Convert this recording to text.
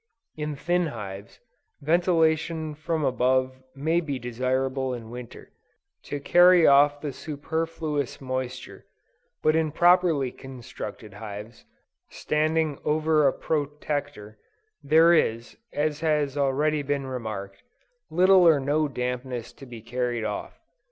In thin hives, ventilation from above may be desirable in Winter, to carry off the superfluous moisture, but in properly constructed hives, standing over a Protector, there is, as has already been remarked, little or no dampness to be carried off.